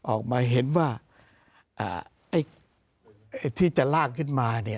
ออกมาเห็นว่าที่จะลากขึ้นมาเนี่ย